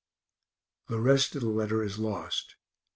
[_The rest of the letter is lost.